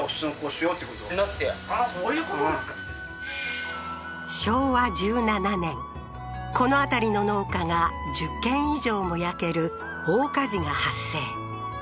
ああーそういうことですか昭和１７年この辺りの農家が１０軒以上も焼ける大火事が発生